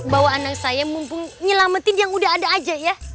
bawa anak saya mumpung nyelamatin yang udah ada aja ya